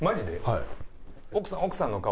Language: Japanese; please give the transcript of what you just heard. はい。